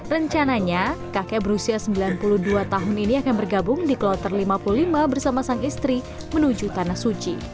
rencananya kakek berusia sembilan puluh dua tahun ini akan bergabung di kloter lima puluh lima bersama sang istri menuju tanah suci